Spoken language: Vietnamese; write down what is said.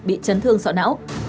bị chấn thương sọ não